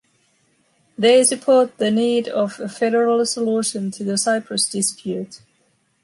They support the need of a federal solution to the Cyprus dispute.